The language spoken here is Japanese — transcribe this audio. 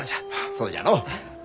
そうじゃのう何で？